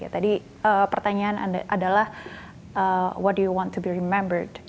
tadi pertanyaan adalah what do you want to be remembered